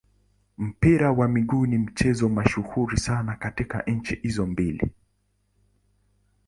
Mpira wa miguu ni mchezo mashuhuri sana katika nchi hizo mbili.